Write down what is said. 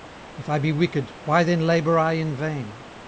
18:009:029 If I be wicked, why then labour I in vain?